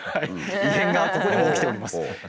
異変がここでも起きております。